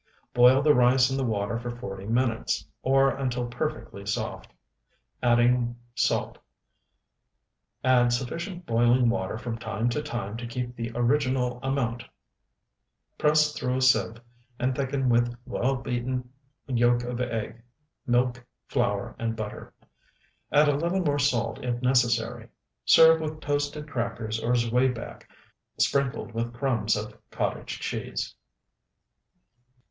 Boil the rice in the water for forty minutes, or until perfectly soft, adding salt; add sufficient boiling water from time to time to keep the original amount; press through a sieve and thicken with well beaten yolk of egg, milk, flour, and butter. Add a little more salt if necessary; serve with toasted crackers or zwieback sprinkled with crumbs of cottage cheese.